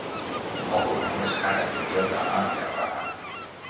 El cognom és Jara: jota, a, erra, a.